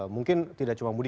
mungkin tidak cuma budi